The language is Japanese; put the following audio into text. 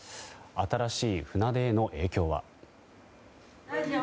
新しい船出への影響は。